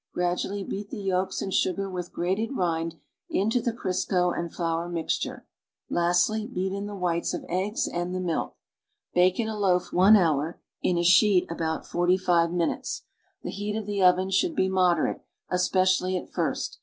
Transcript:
Gradually beat the yolks and sugar with grated rind into the Crisco and Hour mixture. Lastly, beat in the whites of eggs and the milk. l$ake in a loaf one hour; in a sheet, about forty fivp minutes. The heat of the oven should be moderate, especially at first.